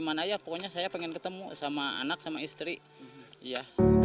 mana ya pokoknya saya pengen ketemu sama anak sama istri ya